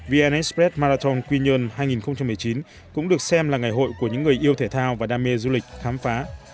vn express marathon quy nhơn hai nghìn một mươi chín cũng được xem là ngày hội của những người yêu thể thao và đam mê du lịch khám phá